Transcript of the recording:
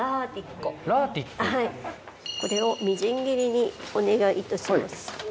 これをみじん切りにお願いいたします。